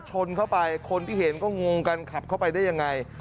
ชนเข้าไปคนที่เห็นก็งงกันขับเข้าไปได้ยังไง